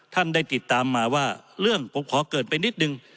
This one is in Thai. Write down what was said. ท่านได้ติดตามมาว่าเรื่องผมขอเกิดไปนิดนึง